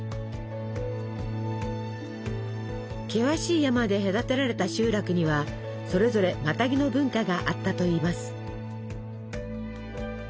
険しい山で隔てられた集落にはそれぞれマタギの文化があったといいます。